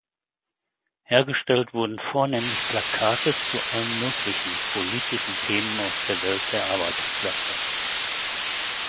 Hergestellt wurden vornehmlich Plakate zu allen möglichen politischen Themen aus der Welt der Arbeiterklasse.